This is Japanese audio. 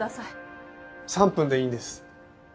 ３分でいいんです。